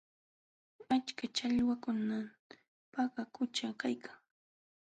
Achka challwakuna Paka qućha kaykan.